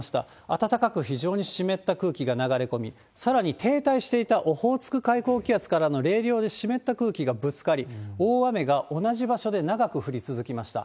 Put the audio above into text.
暖かく非常に湿った空気が流れ込み、さらに停滞していたオホーツク海高気圧からの冷涼で湿った空気がぶつかり、大雨が同じ場所で長く降り続きました。